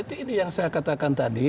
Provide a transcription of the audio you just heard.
nah itu yang saya katakan tadi